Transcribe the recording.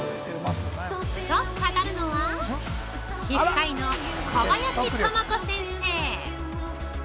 ◆と語るのは皮膚科医の小林智子先生。